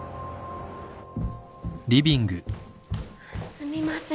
・・すみません。